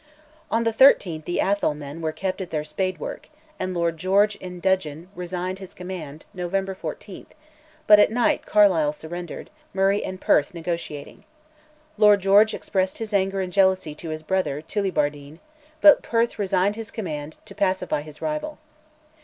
On the 13th the Atholl men were kept at their spade work, and Lord George in dudgeon resigned his command (November 14), but at night Carlisle surrendered, Murray and Perth negotiating. Lord George expressed his anger and jealousy to his brother, Tullibardine, but Perth resigned his command to pacify his rival.